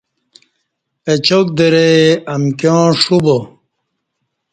اچاک درئ امکیاں ݜو با